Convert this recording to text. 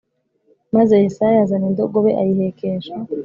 Maze Yesayi azana indogobe ayihekesha